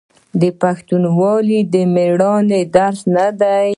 آیا پښتونولي د میړانې درس نه دی؟